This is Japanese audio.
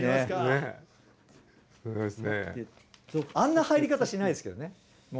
あんな入り方しないですけどね。